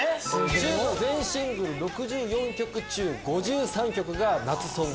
ＴＵＢＥの全シングル６４曲中５３曲が夏ソング。